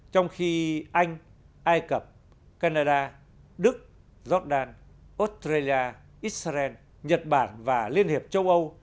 trong khi anh ai cập canada đức jordan australia israel nhật bản và liên hiệp châu âu